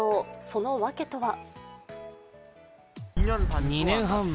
その訳とは。